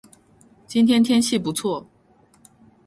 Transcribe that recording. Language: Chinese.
今天天气不错